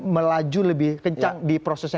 melaju lebih kencang di prosesnya